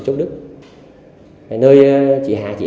nhưng không biết của ai để trả lại nên tiếc của đem bán lấy tiền